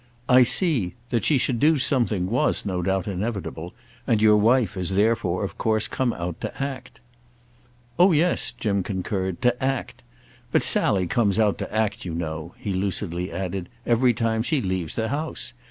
"I see. That she should do something was, no doubt, inevitable, and your wife has therefore of course come out to act." "Oh yes," Jim concurred—"to act. But Sally comes out to act, you know," he lucidly added, "every time she leaves the house.